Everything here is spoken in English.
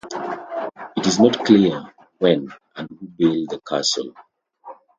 It is not clear when and who built the castle.